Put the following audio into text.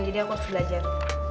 jadi aku harus belajar